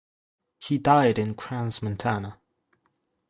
He died in Crans-Montana.